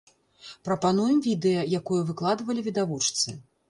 Прапануем відэа, якое выкладвалі відавочцы.